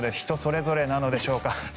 人それぞれなのでしょうか。